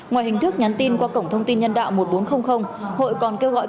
ngoài hình thức nhắn tin qua cổng thông tin nhân đạo một nghìn bốn trăm linh hội còn kêu gọi